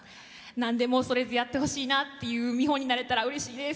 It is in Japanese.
なんでも恐れずやってほしいなっていう見本になれたら、うれしいです。